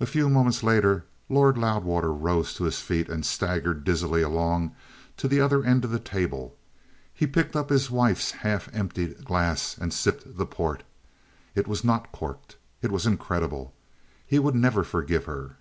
A few moments later Lord Loudwater rose to his feet and staggered dizzily along to the other end of the table. He picked up his wife's half emptied glass and sipped the port. It was not corked. It was incredible! He would never forgive her!